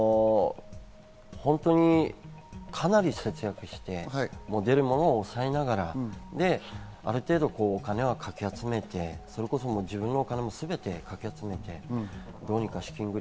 本当にかなり節約して出るものを抑えながら、ある程度お金をかき集めて、自分のお金もすべてかき集めてどうにかしている。